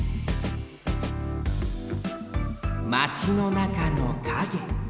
マチのなかのカゲ。